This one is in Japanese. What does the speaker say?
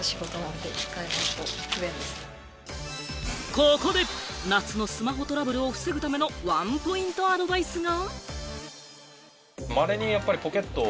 ここで夏のスマホトラブルを防ぐためのワンポイントアドバイスが。